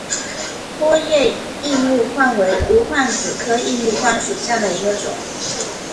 波叶异木患为无患子科异木患属下的一个种。